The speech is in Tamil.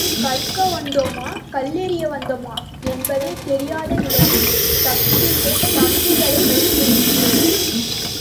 கற்க வந்தோமா, கல்லெறிய வந்தோமா என்பதே தெரியாத நிலையில் தம்பிகளை வைத்திருக்கிறோம்.